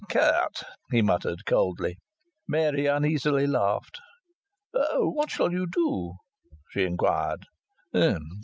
"Curt!" he muttered coldly. Mary uneasily laughed. "What shall you do?" she inquired.